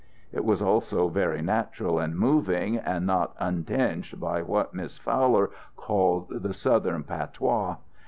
It was also very natural and moving and not untinged by what Miss Fowler called the Southern patois.